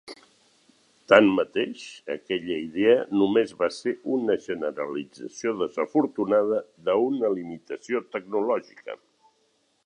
Tanmateix, aquella idea només va ser una generalització desafortunada d'una limitació tecnològica.